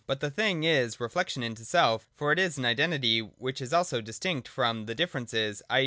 But the thing is reflection into self: for it is an identity which is also distinct from the difference, i.